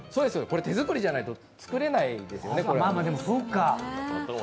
これは手作りじゃないと作れないですよね。